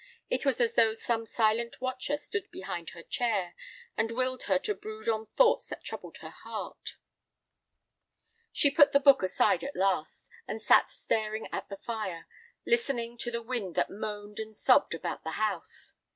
It was as though some silent watcher stood behind her chair, and willed her to brood on thoughts that troubled her heart. She put the book aside at last, and sat staring at the fire, listening to the wind that moaned and sobbed about the house.